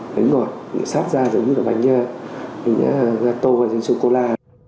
bánh ngọt sát ra giống như là bánh gà tô hoặc là bánh sô cô la